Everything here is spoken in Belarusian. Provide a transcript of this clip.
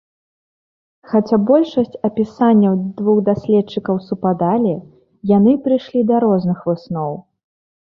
Хаця большасць апісанняў двух даследчыкаў супадалі, яны прыйшлі да розных высноў.